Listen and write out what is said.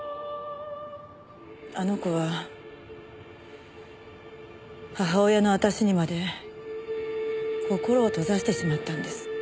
あの子は母親の私にまで心を閉ざしてしまったんです。